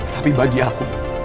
tapi bagi aku